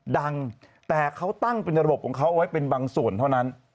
ดังแต่เขาตั้งเป็นระบบของเขาเอาไว้เป็นบางส่วนเท่านั้น